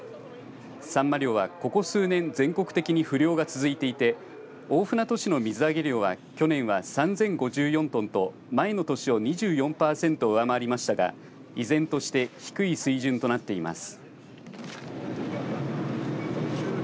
サンマ漁はここ数年全国的に不漁が続いていて大船渡市の水揚げ量は去年は３０５４トンと前の年を２４パーセント上回りましたが依然として低い水準となっています。